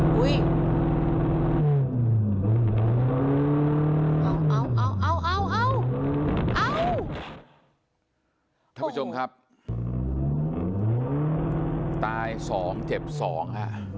ท่านผู้ชมครับตาย๒เจ็บ๒อ่ะ